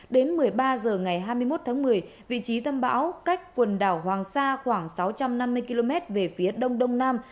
đến một mươi ba h ngày hai mươi một tháng một mươi vị trí tâm bão cách quần đảo hoàng sa khoảng sáu trăm năm mươi km về phía đông đông nam